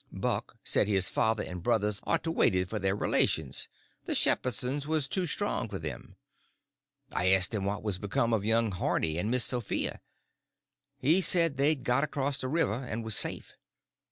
Buck said his father and brothers ought to waited for their relations—the Shepherdsons was too strong for them. I asked him what was become of young Harney and Miss Sophia. He said they'd got across the river and was safe.